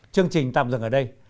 chương trình tạm dừng ở đây